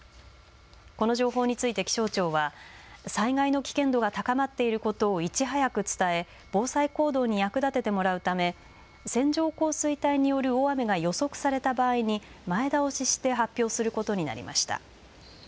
この情報について気象庁は災害の危険度が高まっていることをいち早く伝え、防災行動に役立ててもらうため線状降水帯による大雨が予測された場合に前倒しして発表することになりました。